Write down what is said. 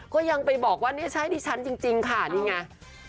ก็ยังไปบอกว่าเนี่ยใช่ดิฉันจริงค่ะนี่ไง